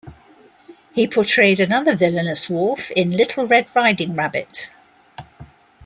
He portrayed another villainous wolf in "Little Red Riding Rabbit".